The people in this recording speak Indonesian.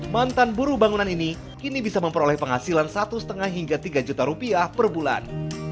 mantan buru bangunan ini kini bisa memperoleh penghasilan satu lima hingga tiga juta rupiah per bulan